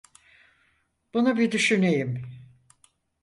Bunu bir düşüneyim.